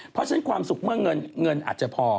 เพราะฉะนั้นความสุขเมื่อเงินอาจจะพอ